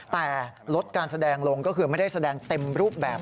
แต่ลดการแสดงลงก็คือไม่ได้แสดงเต็มรูปแบบ